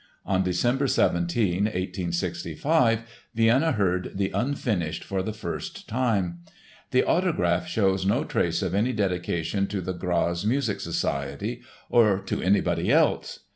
On December 17, 1865, Vienna heard the Unfinished for the first time. The autograph shows no trace of any dedication to the Graz Music Society or to anybody else!